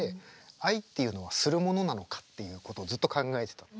愛っていうのはするものなのかっていうことをずっと考えてたの。